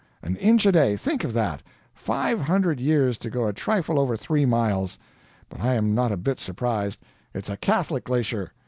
An inch a day think of that! Five hundred years to go a trifle over three miles! But I am not a bit surprised. It's a Catholic glacier.